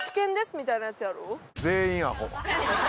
みたいなやつやろ？